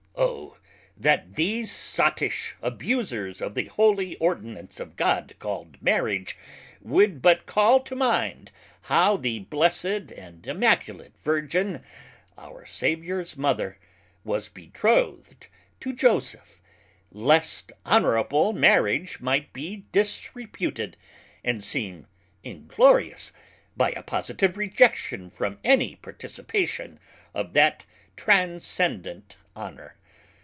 Oh! that these sottish abusers of the Holy Ordinance of God called Marriage would but call to minde how the blessed and immaculate Virgin (our Saviours Mother) was betrothed to Joseph, lest honourable Marriage might be disreputed, and seem inglorious, by a positive rejection from any participation of that transcendent honour!